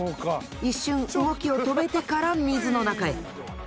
一瞬動きを止めてから水の中へ。